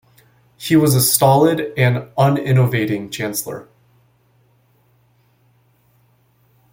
He was a stolid and uninnovating Chancellor.